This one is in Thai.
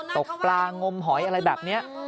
ตกปลางมหอยอะไรแบบนี้